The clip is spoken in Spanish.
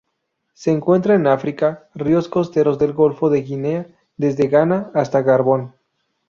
Se encuentran en África: ríos costeros del golfo de Guinea desde Ghana hasta Gabón.